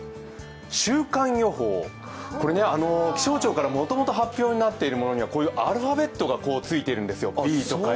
週間予報、これね、気象庁からもともと発表になっているものにはアルファベットがついているんですよ。